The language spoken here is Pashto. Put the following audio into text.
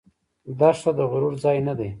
دښته د غرور ځای نه دی.